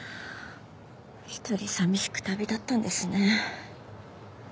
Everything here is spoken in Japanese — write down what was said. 一人寂しく旅立ったんですね。